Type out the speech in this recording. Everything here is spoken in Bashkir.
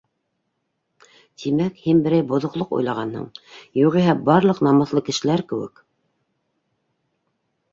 —Тимәк, һин берәй боҙоҡлоҡ уйлағанһың, юғиһә, барлыҡ намыҫлы кешеләр кеүек